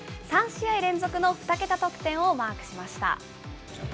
３試合連続の２桁得点をマークしました。